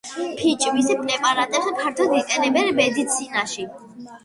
ფიჭვის პრეპარატებს ფართოდ იყენებენ მედიცინაში.